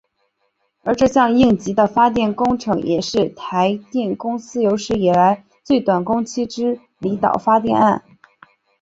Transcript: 而这项应急的发电工程也是台电公司有史以来最短工期之离岛发电案。